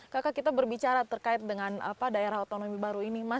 kakak kita berbicara terkait dengan daerah otonomi baru ini mas